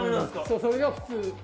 それが普通。